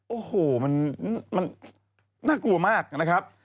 โอ้โหมันน่ากลัวมากนะครับ